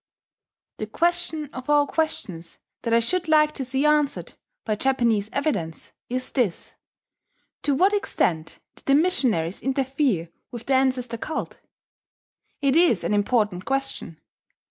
The question of all questions that I should like to see answered, by Japanese evidence, is this: To what extent did the missionaries interfere with the ancestor cult? It is an important question.